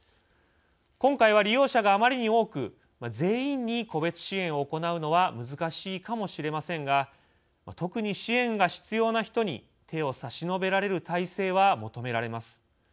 今回は利用者があまりに多く全員に個別支援を行うのは難しいかもしれませんが特に支援が必要な人に手を差し伸べられる体制は求められます。